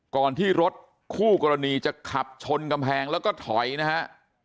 ก่อนที่รถคู่กรณีจะขับชนกำแพงแล้วก็ถอยนะฮะ